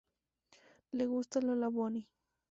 Le gusta Lola Bunny.